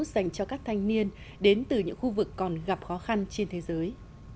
dành cho các thanh niên đến từ những khu vực còn gặp khó khăn trên thế giới